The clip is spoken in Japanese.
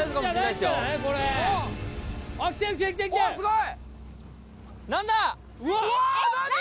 すごい！